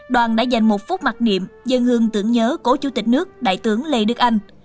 đoàn đã dành một phút mặc niệm dân hương tưởng nhớ cố chủ tịch nước đại tướng lê đức anh